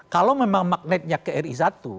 kalau memang magnetnya kri satu